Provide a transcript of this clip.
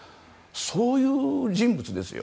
そういう人物ですよ。